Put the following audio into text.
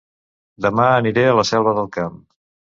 Dema aniré a La Selva del Camp